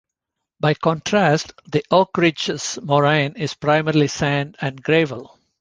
By contrast, the Oak Ridges Moraine is primarily sand and gravel.